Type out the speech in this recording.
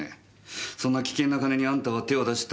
そんな危険な金にあんたは手を出した。